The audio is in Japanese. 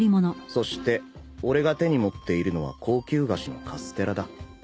そして俺が手に持っているのは高級菓子のカステラだ